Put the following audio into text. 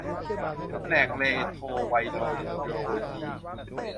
แผนกเรโทรไวโรโลยี